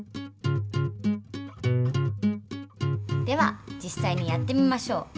では実さいにやってみましょう。